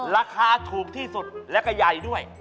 ราคาถูกที่สุดแล้วก็ใหญ่ด้วย